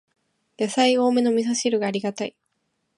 やさい多めのみそ汁がありがたい